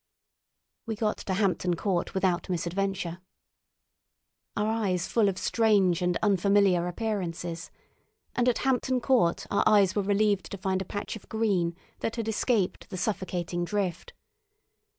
We got to Hampton Court without misadventure, our minds full of strange and unfamiliar appearances, and at Hampton Court our eyes were relieved to find a patch of green that had escaped the suffocating drift.